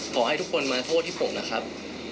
ขอให้ทุกคนมาโทษที่ผมนะครับ